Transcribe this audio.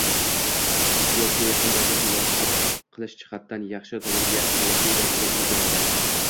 Ikki yoshga yaqin vaziyat muloqot qilish jihatidan yaxshi tomonga ahamiyatli darajada o‘zgaradi.